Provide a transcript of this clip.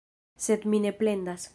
Sed mi ne plendas.